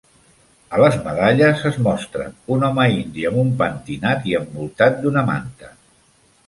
A les medalles es mostra un home indi amb un pentinat i envoltat d'una manta.